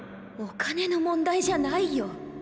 お金の問題じゃないよ！